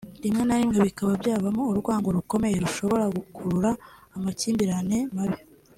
rimwe na rimwe bikaba byavamo urwango rukomeye rushobora gukurura amakimbirane mabi